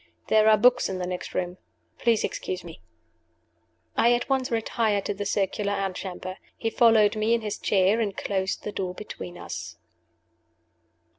There are books in the next room. Please excuse me." I at once retired to the circular antechamber. He followed me in his chair, and closed the door between us.